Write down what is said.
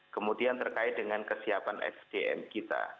kemudian terkait dengan kesiapan sdm kita